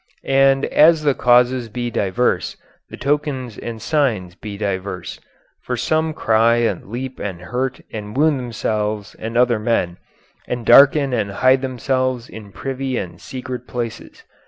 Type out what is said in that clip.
And as the causes be diverse, the tokens and signs be diverse. For some cry and leap and hurt and wound themselves and other men, and darken and hide themselves in privy and secret places.